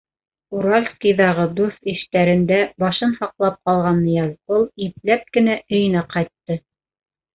Уральскиҙағы дуҫ-иштәрендә башын һаҡлап ҡалған Ныязғол ипләп кенә өйөнә ҡайтты.